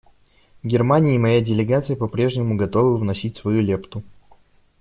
Германия и моя делегация по-прежнему готовы вносить свою лепту.